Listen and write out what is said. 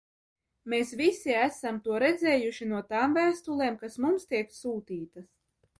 Mēs visi esam to redzējuši no tām vēstulēm, kas mums tiek sūtītas.